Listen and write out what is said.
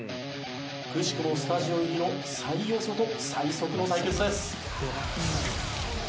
くしくもスタジオ入りの最遅と最速の対決です。